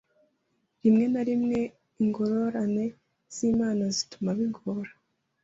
Rimwe na rimwe ingorane z'Imana zituma bigora